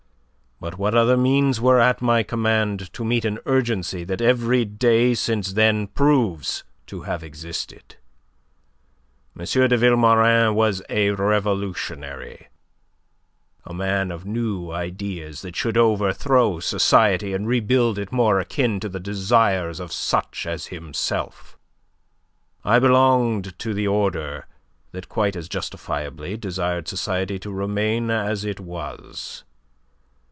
But what other means were at my command to meet an urgency that every day since then proves to have existed? M. de Vilmorin was a revolutionary, a man of new ideas that should overthrow society and rebuild it more akin to the desires of such as himself. I belonged to the order that quite as justifiably desired society to remain as it was.